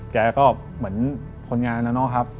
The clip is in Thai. แกก็เหมือนคนงานนะเนาะครับ